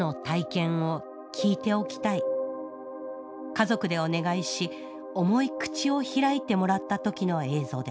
家族でお願いし重い口を開いてもらったときの映像です